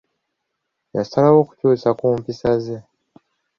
Yasalawo okukyusa ku mpisa ze.